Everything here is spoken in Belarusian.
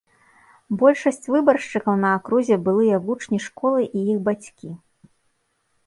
Большасць выбаршчыкаў на акрузе былыя вучні школы і іх бацькі.